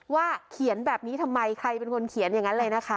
เขียนแบบนี้ทำไมใครเป็นคนเขียนอย่างนั้นเลยนะคะ